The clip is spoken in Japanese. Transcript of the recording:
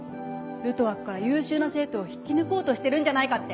ルトワックから優秀な生徒を引き抜こうとしてるんじゃないかって。